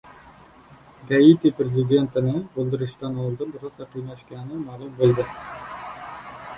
Gaiti prezidentini o‘ldirishdan oldin rosa qiynashgani ma’lum bo‘ldi